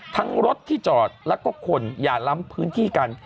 รถที่จอดแล้วก็คนอย่าล้ำพื้นที่กัน